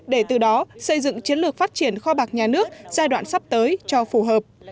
để từ đó xây dựng chiến lược phát triển kho bạc nhà nước giai đoạn sắp tới cho phù hợp